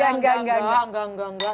enggak enggak enggak